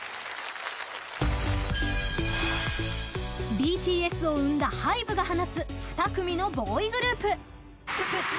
ＢＴＳを生んだＨＹＢＥが放つ２組のボーイグループ。